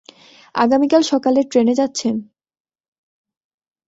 আপনি কাল সকালের ট্রেনে যাচ্ছেন।